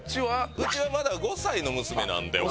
うちはまだ５歳の娘なんで。